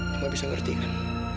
kamu bisa ngerti kan